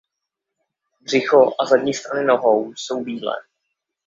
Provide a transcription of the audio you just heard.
Břicho a zadní strany nohou jsou bílé.